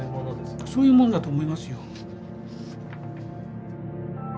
そういうものだと思いますよ。